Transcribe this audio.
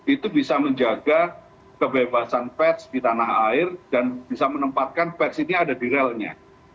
itu bisa menjaga kebebasan pers di tanah air dan bisa menempatkan pers ini ada di relnya